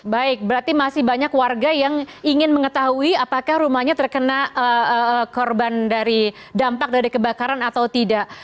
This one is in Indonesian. baik berarti masih banyak warga yang ingin mengetahui apakah rumahnya terkena korban dari dampak dari kebakaran atau tidak